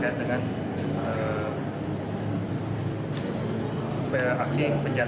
kemudian dari kita sendiri